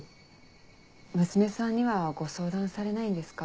娘さんにはご相談されないんですか？